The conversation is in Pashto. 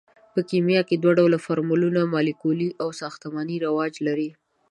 په کیمیا کې دوه ډوله فورمولونه مالیکولي او ساختماني رواج لري.